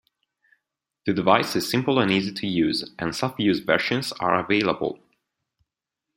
The device is simple and easy to use and self-use versions are available.